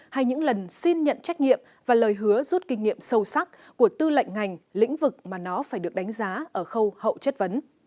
hay những lần xin nhận trách nhiệm và lời hứa rút kinh nghiệm sâu sắc của tư lệnh ngành lĩnh vực mà nó phải được đánh giá ở khâu hậu chất vấn